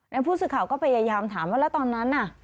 แล้วผู้สื่อข่าวก็พยายามถามว่าแล้วตอนนั้นน่ะ